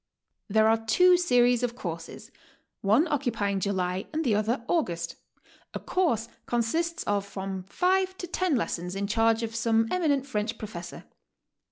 There are two series of courses, one occupying July and the other August. A course consists of from five to ten lessons in charge of some eminent French professor.